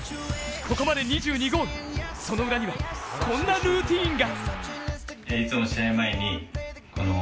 ここまで２２ゴール、その裏にはこんなルーティンが。